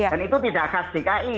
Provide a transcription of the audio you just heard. dan itu tidak khas dki